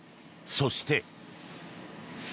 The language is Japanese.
そして。